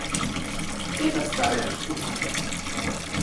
Это старая штука.